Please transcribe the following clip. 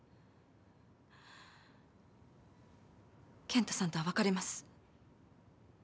健太さんとは別れます。